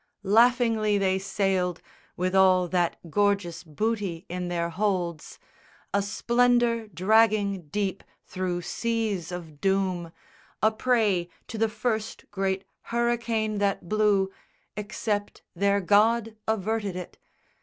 Laughingly they sailed, With all that gorgeous booty in their holds, A splendour dragging deep through seas of doom, A prey to the first great hurricane that blew Except their God averted it.